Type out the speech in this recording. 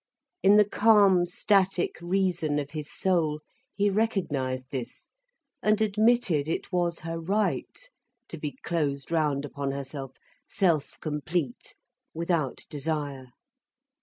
In the calm, static reason of his soul, he recognised this, and admitted it was her right, to be closed round upon herself, self complete, without desire.